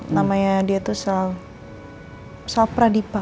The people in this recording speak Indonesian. namanya dia tuh sal pradipa